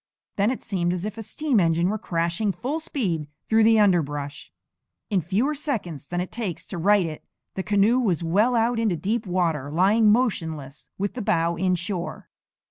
Then it seemed as if a steam engine were crashing full speed through the underbrush. In fewer seconds than it takes to write it the canoe was well out into deep water, lying motionless with the bow inshore.